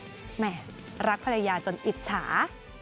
แหมรักภรรยาจนอิจฉา